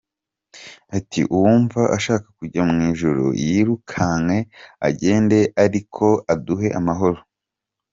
Ati “Uwumva ashaka kujya mu ijuru yirukanke agende ariko aduhe amahoro.